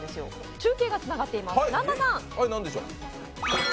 中継がつながっています。